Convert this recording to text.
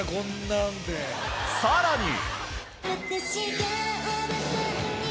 さらに